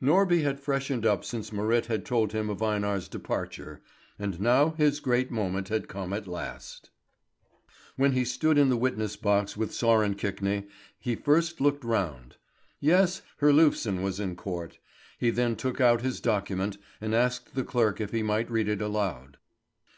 Norby had freshened up since Marit had told him of Einar's departure; and now his great moment had come at last. When he stood in the witness box with Sören Kvikne, he first looked round. Yes, Herlufsen was in court. He then took out his document, and asked the clerk if he might read it aloud.